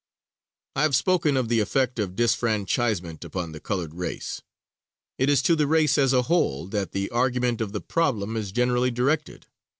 I have spoken of the effect of disfranchisement upon the colored race; it is to the race as a whole, that the argument of the problem is generally directed.